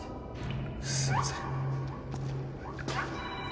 すいません。